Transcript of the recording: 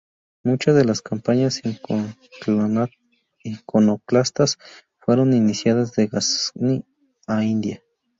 Muchas de las campañas iconoclastas fueron iniciadas desde Gazni a India.